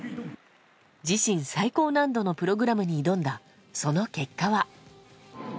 自身最高難度のプログラムに挑んだその結果は。